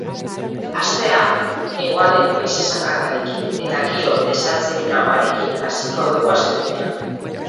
Astea hegoaldeko haize zakarrarekin eta giro desatseginagoarekin hasiko dugu astelehenean.